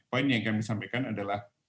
poin yang kami sampaikan adalah